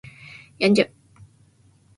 病んじゃう